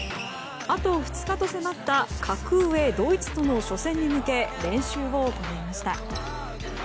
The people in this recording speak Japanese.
あと２日と迫った格上ドイツとの初戦に向け練習を行いました。